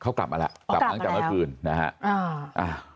เขากลับมาแล้วกลับมาตั้งแต่เมื่อคืนนะฮะ